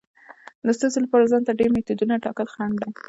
د ستونزې لپاره ځان ته ډیر میتودونه ټاکل خنډ دی.